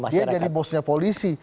dia jadi bosnya polisi